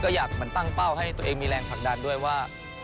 ก็อยากมันตั้งเป้าให้ตัวเองมีแรงผลักดันด้วยว่า